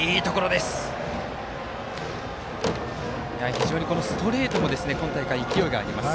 非常にストレートも今大会、勢いがあります。